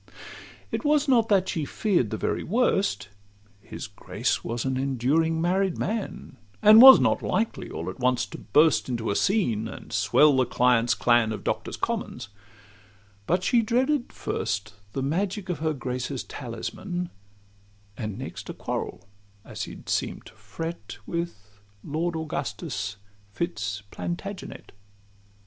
It was not that she fear'd the very worst: His Grace was an enduring, married man, And was not likely all at once to burst Into a scene, and swell the clients' clan Of Doctors' Commons: but she dreaded first The magic of her Grace's talisman, And next a quarrel (as he seem'd to fret) With Lord Augustus Fitz Plantagenet.